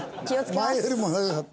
前よりも長かった。